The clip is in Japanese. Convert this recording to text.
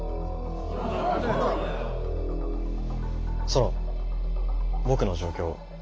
ソロン僕の状況を。